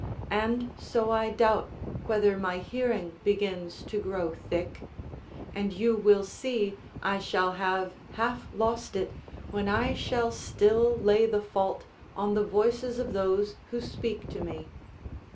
And so I doubt whether my hearing begins to grow thick; and you will see I shall have half lost it, when I shall still lay the fault on the voices of those who speak to me.